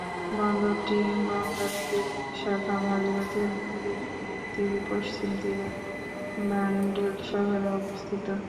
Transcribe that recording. বন্দরটি গঙ্গা নদীর শাখা ভাগীরথী-হুগলী নদীর পশ্চিম তীরে ব্যান্ডেল শহরে অবস্থিত।